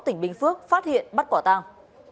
tỉnh bình phước phát hiện bắt quả tàng